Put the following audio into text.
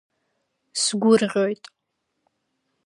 Сгәырӷьоит…